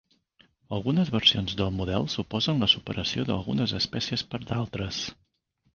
Algunes versions del model suposen la superació d'algunes espècies per d'altres.